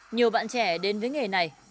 nhiều bạn trẻ đến với nghề này